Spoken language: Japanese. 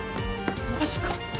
⁉マジか。